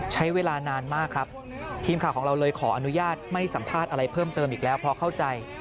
ใช้เวลานานมากครับทีมข่าวของเราเลยขออนุญาตไม่สัมภาษณ์อะไรเพิ่มเติมอีกแล้วเพราะเข้าใจ